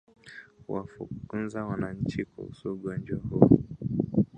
Kuwafunza wananchi kuhusu ugonjwa huo